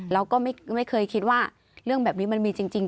เราก็ไม่เคยคิดว่าเรื่องแบบนี้มันมีจริง